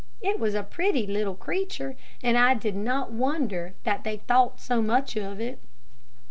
It was a pretty little creature, and I did not wonder that they thought so much of it.